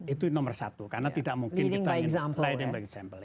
itu nomor satu karena tidak mungkin kita leading by example